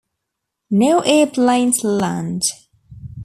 No airplanes land.